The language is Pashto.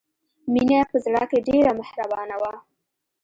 مینه په زړه کې ډېره مهربانه وه